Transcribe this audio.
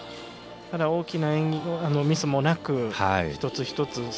ただ、大きなミスもなく一つ一つ。